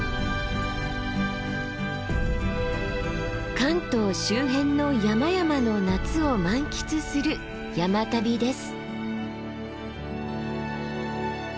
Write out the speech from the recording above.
関東周辺の山々の夏を満喫する山旅です。